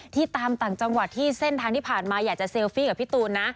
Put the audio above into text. ตามต่างจังหวัดที่เส้นทางที่ผ่านมาอยากจะเซลฟี่กับพี่ตูนนะ